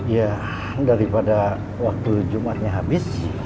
ya daripada waktu jumatnya habis